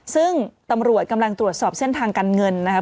ซึ่งตำรวจกำลังตรวจสอบเส้นทางการเงินนะครับ